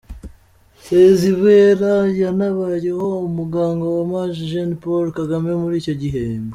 Sezibera yanabayeho umuganga wa Maj Gen Paul Kagame muri icyo gihe.